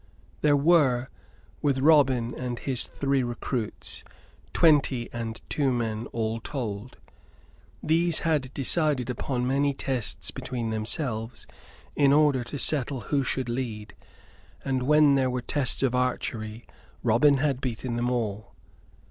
There were, with Robin and his three recruits, twenty and two men all told. These had decided upon many tests between themselves in order to settle who should lead; and when there were tests of archery Robin had beaten them all.